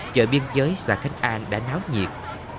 chợ biên giới xà khánh an đã náo nhiệt